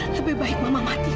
lebih baik mama mati